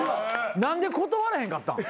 何で断らへんかったん？